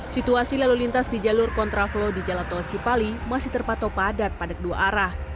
situasi lalu lintas di jalur kontraflow di jalan tol cipali masih terpato padat pada kedua arah